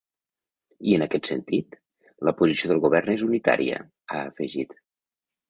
I en aquest sentit, la posició del govern és unitària, ha afegit.